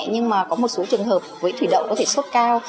nhưng mà có một số trường hợp với thủy đậu có thể sốt cao